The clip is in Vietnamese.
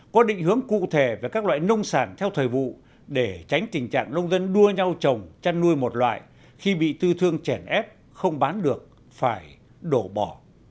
có định hướng cụ thể về các loại nông sản theo thời vụ để tránh tình trạng nông dân đua nhau trồng chăn nuôi một loại khi bị tư thương chèn ép không bán được phải đổ bỏ